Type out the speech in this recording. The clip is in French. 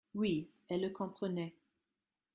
Oui, elle le comprenait.